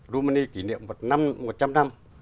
romani kỷ niệm một năm một trăm năm